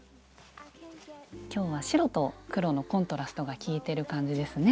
今日は白と黒のコントラストがきいてる感じですね。